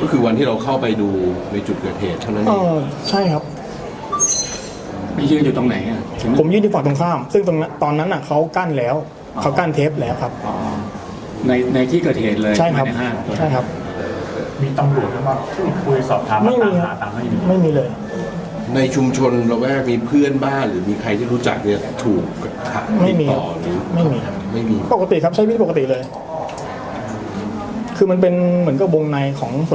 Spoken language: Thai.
ก็คือวันที่เราเข้าไปดูในจุดเกิดเหตุเทพฯเทพฯเทพฯเทพฯเทพฯเทพฯเทพฯเทพฯเทพฯเทพฯเทพฯเทพฯเทพฯเทพฯเทพฯเทพฯเทพฯเทพฯเทพฯเทพฯเทพฯเทพฯเทพฯเทพฯเทพฯเทพฯเทพฯเทพฯเทพฯเทพฯเทพฯเทพฯเทพฯเทพฯเทพฯเทพฯเทพฯเทพฯเท